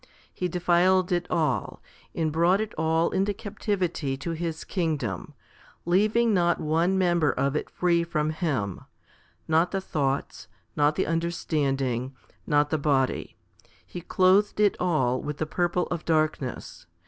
He defiled it all, and brought it all into captivity to his kingdom, leaving not one member of it free from him not the thoughts, not the understanding, not the body; he clothed it all with the purple of darkness.